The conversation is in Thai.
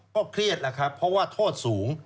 เครียดแล้วครับเพราะว่าโทษสูง